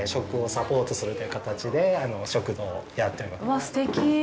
うわぁ、すてき。